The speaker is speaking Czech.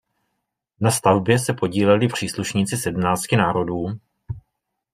Na stavbě se podíleli příslušníci sedmnácti národů.